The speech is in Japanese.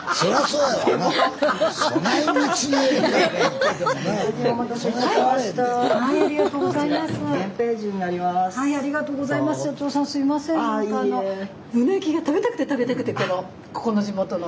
うなぎが食べたくて食べたくてこのここの地元の。